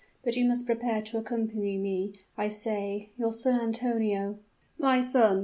But you must prepare to accompany me, I say; your son Antonio " "My son!"